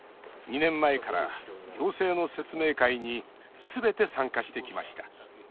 ２年前から行政の説明会にすべて参加してきました。